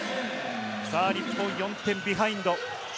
日本４点ビハインド。